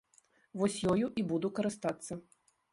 Вось ёю і буду карыстацца.